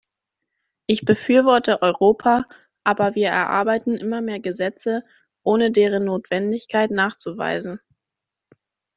Ich befürworte Europa, aber wir erarbeiten immer mehr Gesetze, ohne deren Notwendigkeit nachzuweisen.